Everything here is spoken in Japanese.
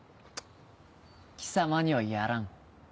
貴様にはやらん。